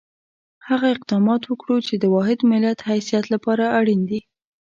هغه اقدامات وکړو چې د واحد ملت حیثیت لپاره اړین دي.